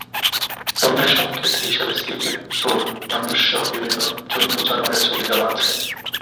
পণ্যের সংকেত হিসেবে স্লিপে ঢোল, মানুষসহ বিভিন্ন জন্তু-জানোয়ারের ছবি দেওয়া আছে।